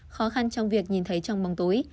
khó khăn trong việc nhìn thấy trong bóng tối